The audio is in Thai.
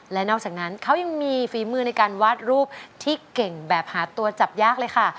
และนอกจากนั้นเขายังมีฝีมือในการวาดรูปที่เก่งแบบหาตัวจับยากเลยค่ะ